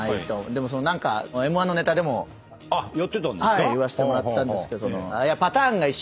でもＭ−１のネタでも言わせてもらったんですけど。